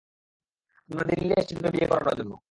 আমরা দিল্লি আসছি তোকে বিয়ে করানো জন্য।